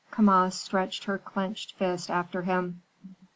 Kama stretched her clinched fist after him.